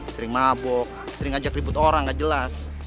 sering mabok sering ajak ribut orang gak jelas